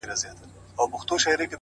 o داسي نه كيږي چي اوونـــۍ كې گـــورم،